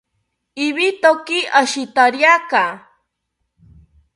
Ibitoki ashitariaka